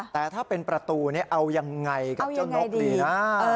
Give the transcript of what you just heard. แต่ถ้าเป็นประตูเอายังไงกับเจ้านกดีนะ